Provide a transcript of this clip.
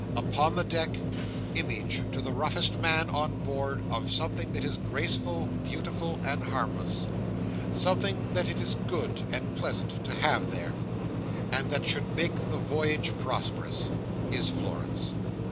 Upon the deck, image to the roughest man on board of something that is graceful, beautiful, and harmless—something that it is good and pleasant to have there, and that should make the voyage prosperous—is Florence.